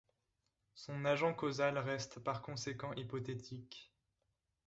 Son agent causal reste par conséquent hypothétique.